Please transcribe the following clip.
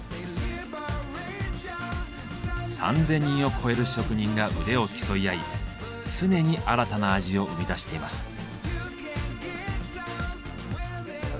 ３，０００人を超える職人が腕を競い合い常に新たな味を生み出しています。